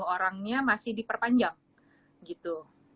dua puluh orangnya masih diperpanjang gitu